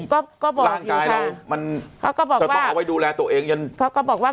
ก็บอกอยู่ค่ะมันก็ต้องเอาไว้ดูแลตัวเองเงินเขาก็บอกว่า